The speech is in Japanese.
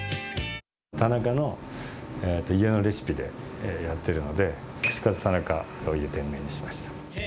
田中の家のレシピでやってるので、串カツ田中という店名にしました。